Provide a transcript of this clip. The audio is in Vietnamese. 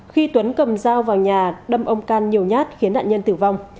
khi tuấn cầm dao vào nhà đâm ông can nhiều nhát khiến nạn nhân tử vong